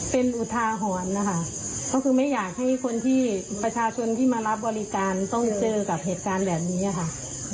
เป็นอุทาหรณ์นะคะก็คือไม่อยากให้คนที่ประชาชนที่มารับบริการต้องเจอกับเหตุการณ์แบบนี้ค่ะ